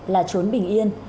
là chốn bình yên